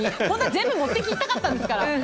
本当は全部持ってきたかったんですから。